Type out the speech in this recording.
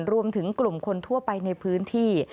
รวมถึงกลุ่มคนทั่วไปในพื้นที่